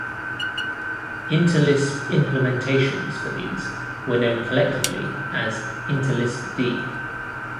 Interlisp implementations for these were known collectively as Interlisp-D.